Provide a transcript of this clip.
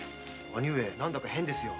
兄上何か変ですよ。